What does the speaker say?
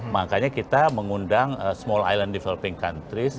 makanya kita mengundang small island developing countries